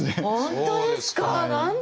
本当ですか？